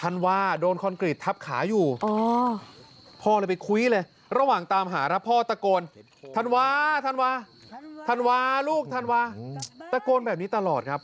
น้องธันวาตะโกนแบบนี้ตลอดครับ